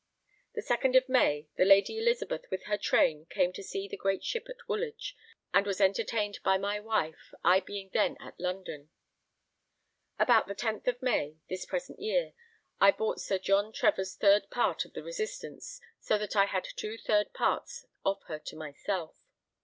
The second of May, the Lady Elizabeth with her train came to see the great ship at Woolwich, and was entertained by my wife, I being then at London. About the 10th of May, this present year, I bought Sir John Trevor's third part of the Resistance, so that I had two third parts of her to myself.